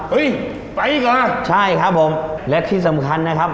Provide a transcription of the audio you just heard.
เฮ้ยไปอีกเหรอใช่ครับผมและที่สำคัญนะครับ